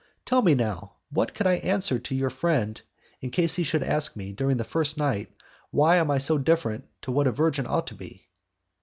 Tell me, now, what I can answer to your friend in case he should ask me, during the first night, why I am so different to what a virgin ought to be?"